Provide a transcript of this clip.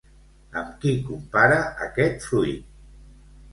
Amb qui compara aquest fruit?